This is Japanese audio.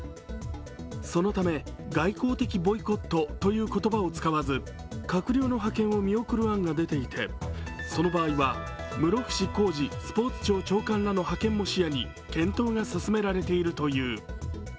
そのため外交的ボイコットという言葉を使わず、閣僚の派遣を見送る案が出ていて、その場合は室伏広治スポーツ庁長官らの派遣も視野に検討が進められているという。